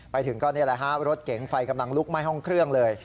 ไปถึงก็นี่แหละฮะรถเก๋งไฟกำลังลุกไหม้ห้องเครื่องเลย